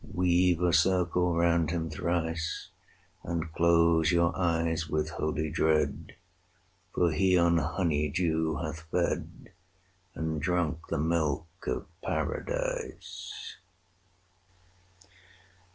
Weave a circle round him thrice, And close your eyes with holy dread, For he on honey dew hath fed, And drunk the milk of Paradise.